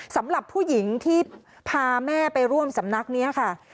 สำหรับผู้หญิงที่พาแม่ไปร่วมสำนักนี้ค่ะ